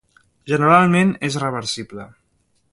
Generalment és reversible.